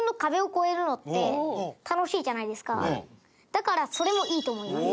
だからそれもいいと思います。